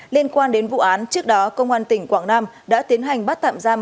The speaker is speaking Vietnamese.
liên quan đến vụ án trước đó công an tỉnh quảng nam đã tiến hành bắt tạm giam